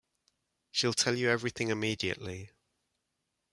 She'll tell you everything immediately.